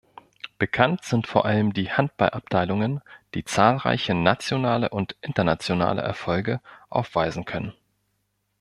Bekannt sind vor allem die Handballabteilungen, die zahlreiche nationale und internationale Erfolge aufweisen können.